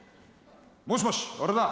もしもし俺だ。